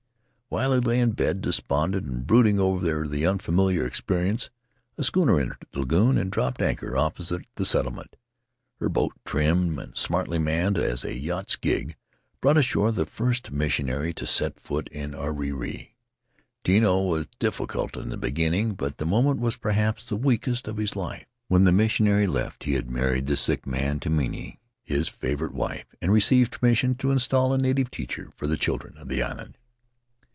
While he lay in bed, despondent, and brooding over the unfamiliar experience, a schooner entered the lagoon and dropped anchor opposite the settlement. Her boat — trim and smartly manned as a yacht's gig — brought ashore the first missionary to set foot on Ariri. Tino was difficult in the beginning, but the moment was perhaps the weakest of his life; when the missionary left he had married the sick man to Manini — his favorite wife — and received permission to install a native teacher for the children of the island.